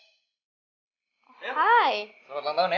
selamat ulang tahun ya